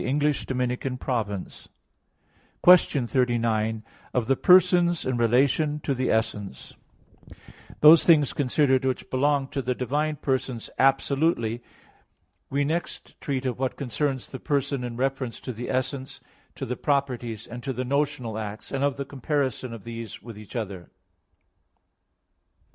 _______________________ QUESTION 39 OF THE PERSONS IN RELATION TO THE ESSENCE (In Eight Articles) Those things considered which belong to the divine persons absolutely, we next treat of what concerns the person in reference to the essence, to the properties, and to the notional acts; and of the comparison of these with each other.